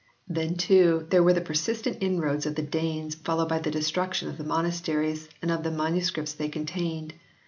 Then too there were the persistent inroads of the Danes followed by the destruction of the monasteries and of the MSS. they contained.